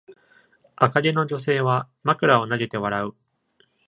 赤毛の女性は枕を投げて笑う。